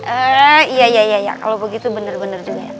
ee iya iya iya iya kalau begitu bener bener juga ya